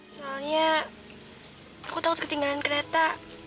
soalnya aku terus ketinggalan kereta